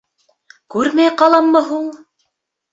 Күрмәй ҡаламмы һуң?